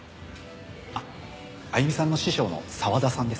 あゆみさんの師匠の澤田さんです。